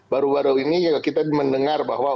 baru baru ini kita mendengar bahwa